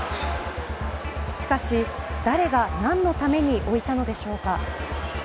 しかし、誰が何のために置いたのでしょうか。